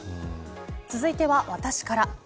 続いては私から。